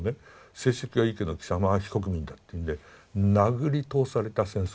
成績はいいけど貴様は非国民だっていうんで殴り通された戦争中。